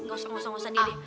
gak usah ngusah ngusah dia deh